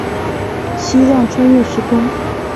希望穿越时空